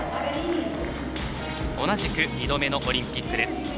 同じく２度目のオリンピックです。